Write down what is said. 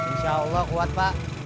insya allah kuat pak